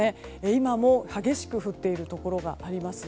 今も激しく降っているところがあります。